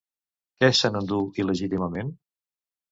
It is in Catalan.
Què se n'endú il·legítimament?